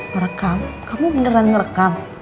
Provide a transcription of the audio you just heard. ngerekam kamu beneran ngerekam